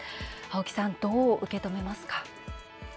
青木さん、どう受け止めますか？